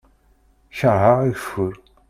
Kerheɣ ageffur.